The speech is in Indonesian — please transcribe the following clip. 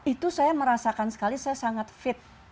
itu saya merasakan sekali saya sangat fit